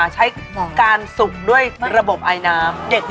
จะอุ่นอะไรเนอะ